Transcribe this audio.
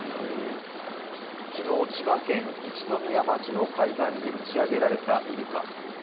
昨日、千葉県一宮町の海岸に打ち上げられたイルカ。